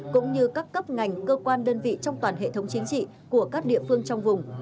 cũng như các cấp ngành cơ quan đơn vị trong toàn hệ thống chính trị của các địa phương trong vùng